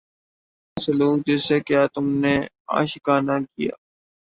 سلوک جس سے کیا ہم نے عاشقانہ کیا